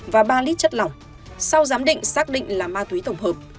và ba lít chất lỏng sau giám định xác định là ma túy tổng hợp